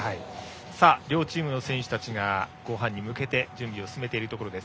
両チームの選手たちが後半に向けて準備を進めています。